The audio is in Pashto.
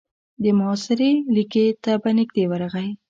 د محاصرې ليکې ته به نږدې ورغی.